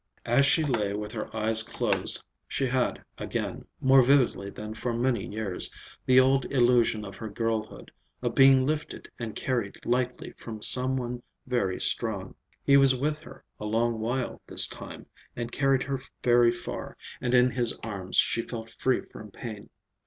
As she lay with her eyes closed, she had again, more vividly than for many years, the old illusion of her girlhood, of being lifted and carried lightly by some one very strong. He was with her a long while this time, and carried her very far, and in his arms she felt free from pain.